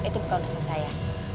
itu bukan bonusnya saya